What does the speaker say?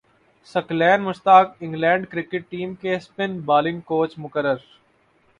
ثقلین Mushtaq England cricket team کے spin bowling coach مقرر